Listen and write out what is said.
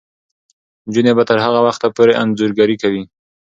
نجونې به تر هغه وخته پورې انځورګري کوي.